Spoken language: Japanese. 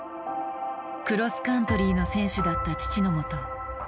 クロスカントリーの選手だった父のもと